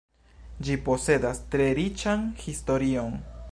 Ĝi posedas tre riĉan historion.